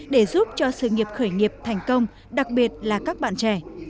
để giúp cho sự nghiệp khởi nghiệp thành công đặc biệt là các bạn trẻ